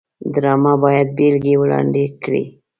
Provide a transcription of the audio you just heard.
ډرامه باید بېلګې وړاندې کړي